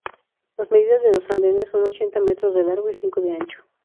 Las medidas de los andenes son ochenta metros de largo y cinco de ancho.